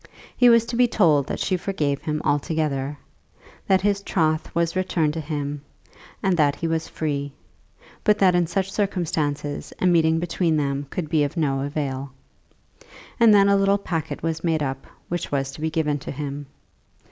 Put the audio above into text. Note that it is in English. He was to be told that she forgave him altogether, that his troth was returned to him and that he was free, but that in such circumstances a meeting between them could be of no avail. And then a little packet was made up, which was to be given to him.